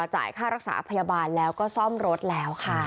จ่ายค่ารักษาพยาบาลแล้วก็ซ่อมรถแล้วค่ะ